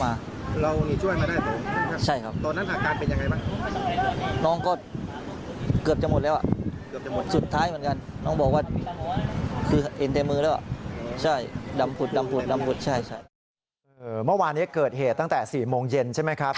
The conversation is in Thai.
เมื่อวานนี้เกิดเหตุตั้งแต่๔โมงเย็นใช่ไหมครับ